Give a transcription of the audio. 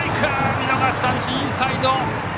見逃し三振インサイド！